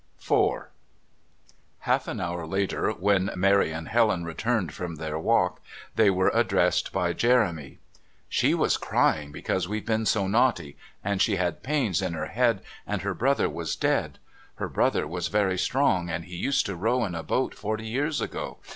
IV Half an hour later, when Mary and Helen returned from their walk, they were addressed by Jeremy. "She was crying because we'd been so naughty, and she had pains in her head, and her brother was dead. Her brother was very strong, and he used to row in a boat forty years ago.